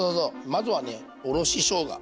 まずはねおろししょうが。